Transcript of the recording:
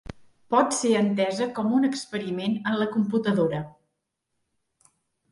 Pot ser entesa com un experiment en la computadora.